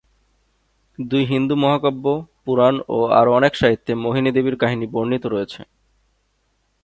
দুই হিন্দু মহাকাব্য, পুরাণ ও আরো অনেক সাহিত্যে মোহিনী দেবীর কাহিনী বর্ণিত রয়েছে।